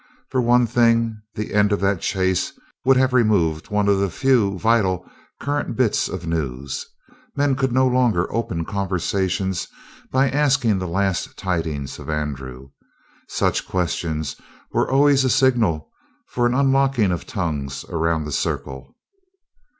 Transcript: For one thing, the end of that chase would have removed one of the few vital current bits of news. Men could no longer open conversations by asking the last tidings of Andrew. Such questions were always a signal for an unlocking of tongues around the circle.